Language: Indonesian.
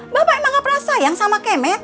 bapak emang gak pernah sayang sama keme